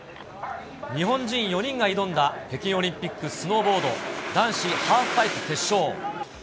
日本人４人が挑んだ北京オリンピックスノーボード男子ハーフパイプ決勝。